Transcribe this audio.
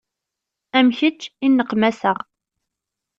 Am kečč i nneqmaseɣ.